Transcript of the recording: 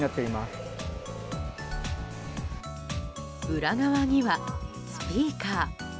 裏側にはスピーカー。